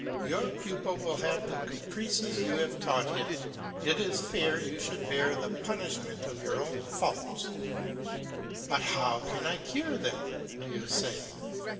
Your pupil will have the caprices you have taught him; it is fair you should bear the punishment of your own faults. "But how can I cure them?" do you say?